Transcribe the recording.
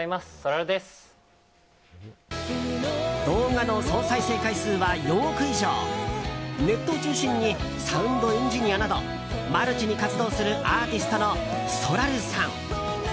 動画の総再生回数は４億以上ネットを中心にサウンドエンジニアなどマルチに活動するアーティストのそらるさん。